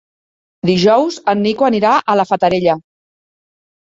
Dijous en Nico anirà a la Fatarella.